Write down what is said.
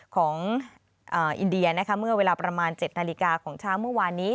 ของอินเดียนะคะเมื่อเวลาประมาณ๗นาฬิกาของเช้าเมื่อวานนี้